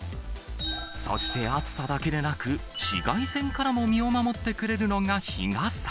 そして、暑さだけでなく、紫外線からも身を守ってくれるのが日傘。